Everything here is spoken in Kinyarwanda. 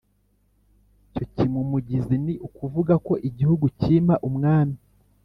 iyo cyimumugizi, ni ukuvuga ko “igihugu cyima umwami